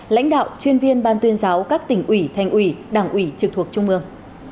lãnh đạo chuyên viên ban tuyên giáo các tỉnh ủy thành ủy đảng ủy trực thuộc trung ương